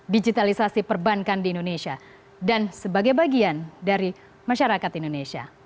digitalisasi perbankan di indonesia dan sebagai bagian dari masyarakat indonesia